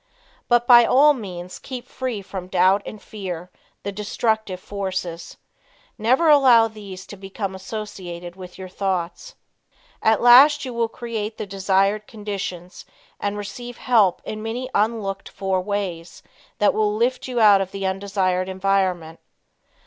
But by all means keep free from doubt and fear, the destructive forces. Never allow these to become associated with your thoughts. At last you will create the desired conditions and receive help in many unlooked for ways that will lift you out of the undesired environment.